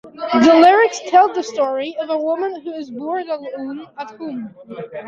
The lyrics tell the story of a woman who is bored alone at home.